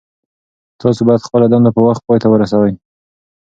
تاسو باید خپله دنده په وخت پای ته ورسوئ.